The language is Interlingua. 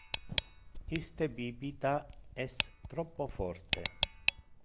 Iste bibita es troppo forte.